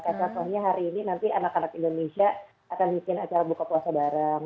karena soalnya hari ini nanti anak anak indonesia akan bikin acara buka puasa bareng